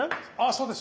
そうです